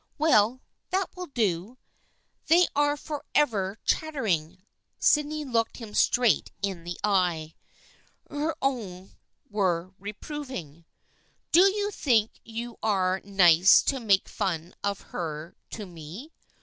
" Well, that will do. They are forever chatter ing." Sydney looked him straight in the eyes. Her own were reproving. " Do you think you are nice to make fun of her to me?